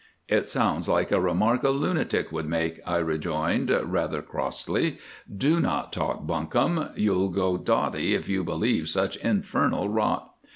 "It sounds like a remark a lunatic would make," I rejoined rather crossly. "Do not talk bunkum. You'll go dotty if you believe such infernal rot."